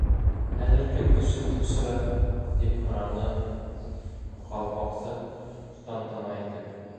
—Хәҙер кем кеше тикшерә? —тип һораны Ҡалпаҡсы тантана итеп.